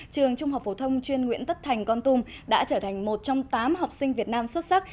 trường trung học phổ thông chuyên nguyễn tất thành con tum đã trở thành một trong tám học sinh việt nam xuất sắc